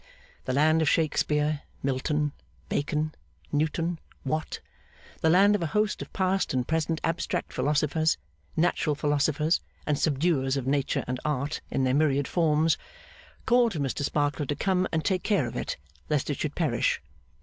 The land of Shakespeare, Milton, Bacon, Newton, Watt, the land of a host of past and present abstract philosophers, natural philosophers, and subduers of Nature and Art in their myriad forms, called to Mr Sparkler to come and take care of it, lest it should perish.